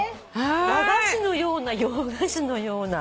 和菓子のような洋菓子のような。